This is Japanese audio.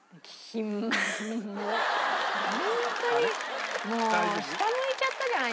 ホントにもう下向いちゃったじゃない。